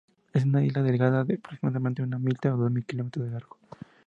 Es una isla delgada, de aproximadamente una milla o dos kilómetros de largo.